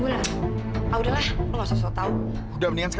lucu banget sih